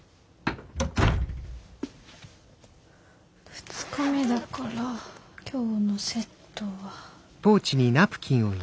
２日目だから今日のセットは。